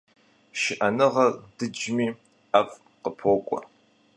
Шыӏэныгъэр дыджми, ӏэфӏ къыпокӏуэ.